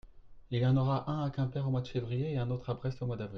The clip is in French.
il y en aura un à Quimper au mois de février et un autre à Brest au mois d'avril.